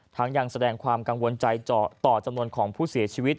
ยังแสดงความกังวลใจต่อจำนวนของผู้เสียชีวิต